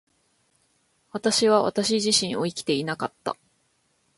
私は私自身を生きていなかった。